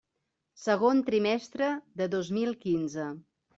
Segon trimestre de dos mil quinze.